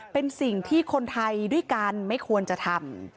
เป็นสิ่งที่คนไทยด้วยกันไม่ควรจะทำ